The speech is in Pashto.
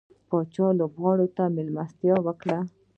پاچا لوبغاړو ته ملستيا وکړه.